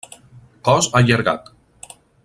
Cos allargat.